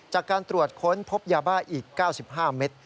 จากการตรวจค้นพบยาบ้าอีก๙๕เมตร